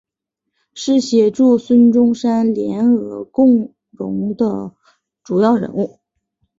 是协助孙中山联俄容共的主要人物。